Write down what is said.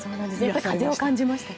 風を感じましたか？